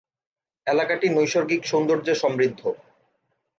এলাকাটি নৈসর্গিক সৌন্দর্যে সমৃদ্ধ।